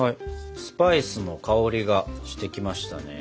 スパイスの香りがしてきましたね。